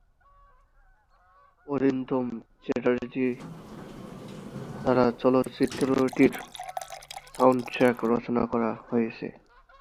অরিন্দম চ্যাটার্জি দ্বারা চলচ্চিত্রটির সাউন্ডট্র্যাক রচনা করা হয়েছে।